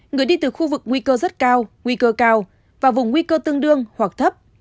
người đi từ khu vực nguy cơ rất cao nguy cơ cao và vùng nguy cơ tương đương hoặc thấp